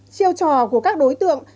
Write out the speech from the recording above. chiêu trò của các đối tượng